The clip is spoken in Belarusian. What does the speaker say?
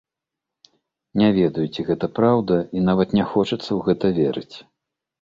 Не ведаю, ці гэта праўда і нават не хочацца ў гэта верыць.